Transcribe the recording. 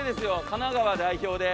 神奈川代表で。